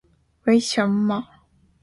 所有语句必须来自相同出处